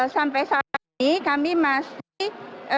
sampai saat ini kami masih